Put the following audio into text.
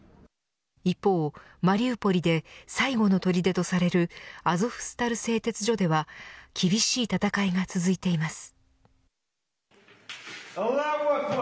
一方、マリウポリで最後の砦とされるアゾフスタル製鉄所では厳しい戦いが続いています。